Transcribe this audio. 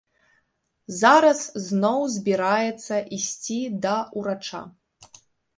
Зараз зноў збіраецца ісці да ўрача.